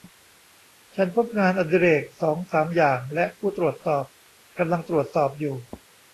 ฉันพบงานอดิเรกสองสามอย่างและผู้ตรวจสอบกำลังตรวจสอบอยู่